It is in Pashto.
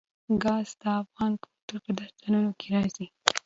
ګاز د افغان کلتور په داستانونو کې راځي.